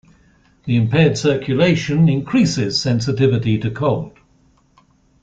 The impaired circulation increases sensitivity to cold.